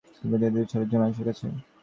এই যুক্তিই বিশ্বাসযোগ্য হচ্ছে মানুষের কাছে।